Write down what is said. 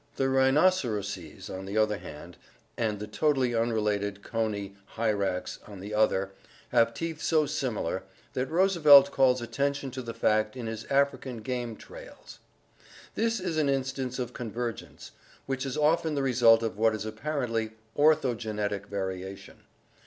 The rhinoceroses, on the 136 ORGANIC EVOLUTION one hand, and the totally unrelated coney, Hyrax, on the other, have teeth so similar that Roosevelt calls attention to the fact in his African Game Trails (see Fig. 15). This is an instance of con vergence, which is often the result of what is apparently ortho genetic variation.